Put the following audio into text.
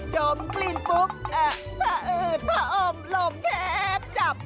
ดมกลิ่นปุ๊บเอ่อพะเอิดพะอมโหลมแทบจับ